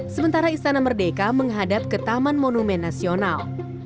sementara istana merdeka menghadap ke taman monumen nasional